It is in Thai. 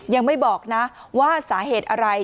ยังไม่บอกนะว่าสาเหตุอะไร